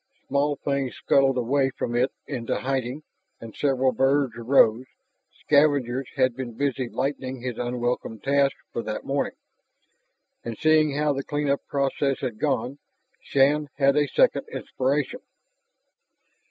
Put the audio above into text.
Small things scuttled away from it into hiding, and several birds arose scavengers had been busy lightening his unwelcome task for that morning. And seeing how the clean up process had gone, Shann had a second inspiration.